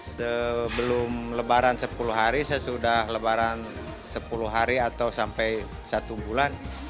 sebelum lebaran sepuluh hari sesudah lebaran sepuluh hari atau sampai satu bulan